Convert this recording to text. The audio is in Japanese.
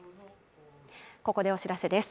ここでお知らせです。